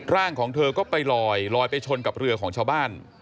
ร่างของเธอก็ไปลอยลอยไปชนกับเรือของชาวบ้าน